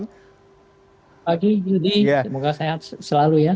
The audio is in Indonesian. pagi yudi semoga sehat selalu ya